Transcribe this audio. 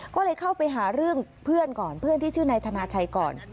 ก็เลยเข้าไปหาเรื่องเพื่อนก่อนเพื่อนที่ชื่อนายธนาชัยก่อน